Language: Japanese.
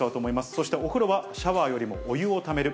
そしてお風呂はシャワーよりもお湯をためる。